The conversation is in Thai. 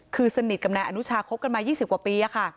คือสนิทกับนายอนุชาคบกันมา๒๐กว่าปี